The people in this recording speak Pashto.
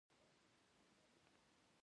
مزارشریف د افغانانو د ګټورتیا برخه ده.